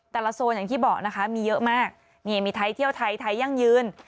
โซนอย่างที่บอกนะคะมีเยอะมากนี่มีไทยเที่ยวไทยไทยยั่งยืน